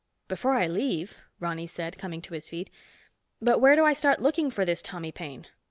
"Before I leave?" Ronny said, coming to his feet. "But where do I start looking for this Tommy Paine?"